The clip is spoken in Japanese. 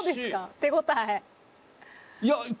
手応え。